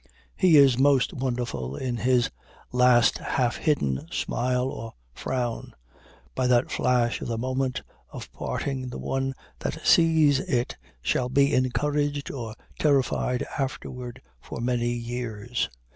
He is most wonderful in his last half hidden smile or frown; by that flash of the moment of parting the one that sees it shall be encouraged or terrified afterward for many years.